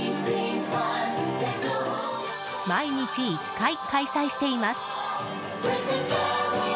毎日１回、開催しています。